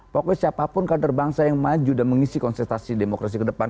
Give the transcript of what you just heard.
pokoknya siapapun kader bangsa yang maju dan mengisi konsentrasi demokrasi ke depan